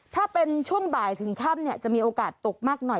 ถ้าเป็นช่วงบ่ายถึงค่ำจะมีโอกาสตกมากหน่อย